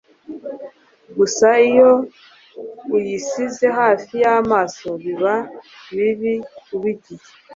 gusa iyo uyisize hafi y’amaso, biba bibi ibigize